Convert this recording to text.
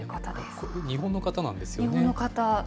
これ、日本の方なんですよね？